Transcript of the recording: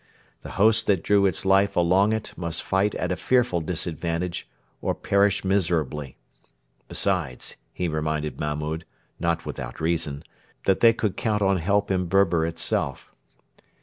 The host that drew its life along it must fight at a fearful disadvantage or perish miserably. Besides, he reminded Mahmud not without reason that they could count on help in Berber itself.